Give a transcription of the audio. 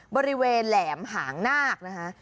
บริเวณแหลมหางนากนะคะ